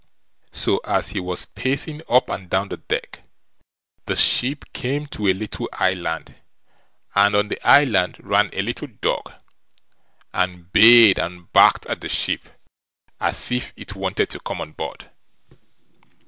So as he was pacing up and down the deck, the ship came to a little island, and on the island ran a little dog, and bayed and barked at the ship as if it wanted to come on board.